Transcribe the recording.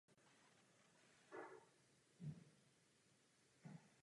Dvojice se však po dvou letech rozešla.